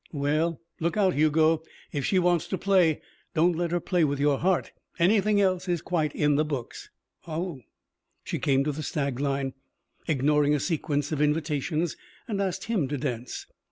"Well, look out, Hugo. If she wants to play, don't let her play with your heart. Anything else is quite in the books." "Oh." She came to the stag line, ignoring a sequence of invitations, and asked him to dance.